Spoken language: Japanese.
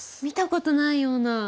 見たことないような。